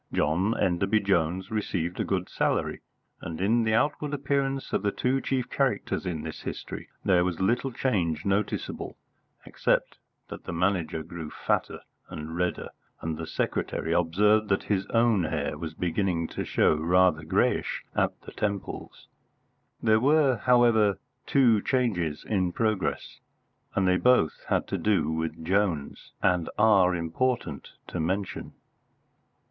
John Enderby Jones received a good salary, and in the outward appearance of the two chief characters in this history there was little change noticeable, except that the Manager grew fatter and redder, and the secretary observed that his own hair was beginning to show rather greyish at the temples. There were, however, two changes in progress, and they both had to do with Jones, and are important to mention.